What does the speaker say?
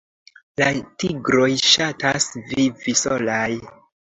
La tigroj ŝatas vivi solaj.